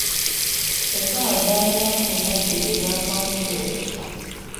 Essaawa zaalinga kkuminabbiri ez'akawungeezi.